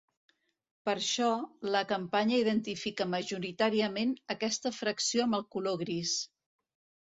Per això, la campanya identifica majoritàriament aquesta fracció amb el color gris.